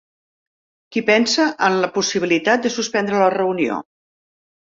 Qui pensa en la possibilitat de suspendre la reunió?